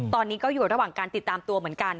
ตอนนี้ก็อยู่ระหว่างการติดตามตัวเหมือนกัน